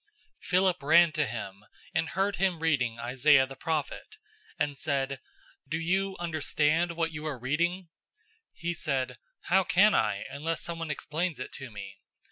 008:030 Philip ran to him, and heard him reading Isaiah the prophet, and said, "Do you understand what you are reading?" 008:031 He said, "How can I, unless someone explains it to me?"